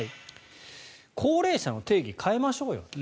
高齢者の定義を変えましょうと。